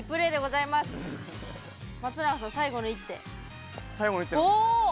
松永さん、最後の１手。